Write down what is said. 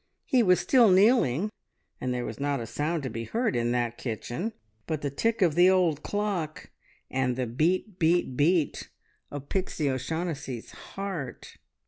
He was still kneeling, and there was not a sound to be heard in that kitchen but the tick of the old clock and the beat, beat, beat of Pixie O'Shaughnessy's heart.